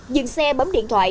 dừng xe bấm điện thoại